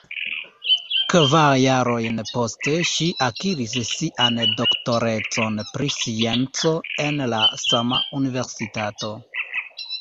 Kvar jarojn poste ŝi akiris sian doktorecon pri scienco en la sama universitato.